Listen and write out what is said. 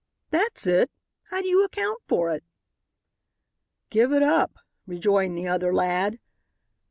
"That's it. How do you account for it?" "Give it up," rejoined the other lad.